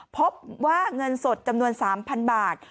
พบว่าเงินสดจำนวน๓๐๐๐บาท